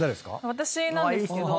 私なんですけど。